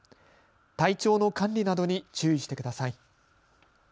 体調の管理などに注意してください。